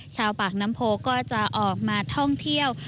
ชาวปากน้ำโพก็จะออกมาท่องเที่ยว